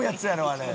あれ。